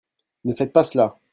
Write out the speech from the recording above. Ne faites pas cela !